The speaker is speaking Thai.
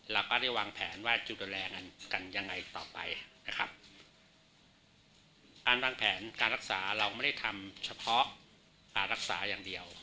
เราก็ได้วางแผนว่าจะดูแลกันยังไงต่อไปนะครับการวางแผนการรักษาเราไม่ได้ทำเฉพาะรักษาอย่างเดียว